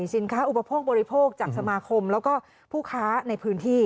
สินค้าอุปโภคบริโภคจากสมาคมแล้วก็ผู้ค้าในพื้นที่